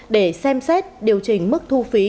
để xem xét điều chỉnh mức thu phí